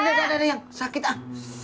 udah ada yang sakit ah